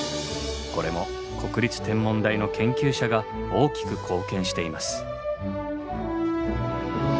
これも国立天文台の研究者が大きく貢献しています。